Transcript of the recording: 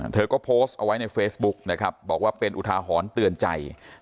เธอก็โพสต์เอาไว้ในเฟซบุ๊กนะครับบอกว่าเป็นอุทาหรณ์เตือนใจ